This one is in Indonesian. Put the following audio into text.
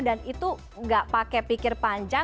dan itu tidak pakai pikir panjang